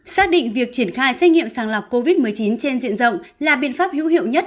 xác định việc triển khai xét nghiệm sàng lọc covid một mươi chín trên diện rộng là biện pháp hữu hiệu nhất